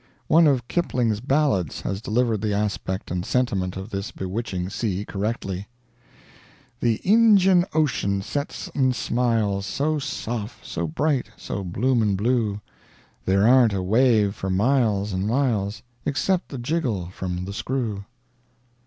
One of Kipling's ballads has delivered the aspect and sentiment of this bewitching sea correctly: "The Injian Ocean sets an' smiles So sof', so bright, so bloomin' blue; There aren't a wave for miles an' miles Excep' the jiggle from the screw."